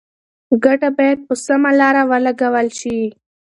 ګټه باید په سمه لاره ولګول شي.